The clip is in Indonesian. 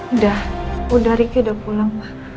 udah udah ricky udah pulang